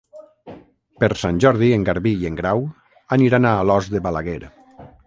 Per Sant Jordi en Garbí i en Grau aniran a Alòs de Balaguer.